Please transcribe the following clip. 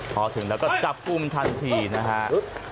พอถึงแล้วก็จับกลุ่มทันทีนะฮะ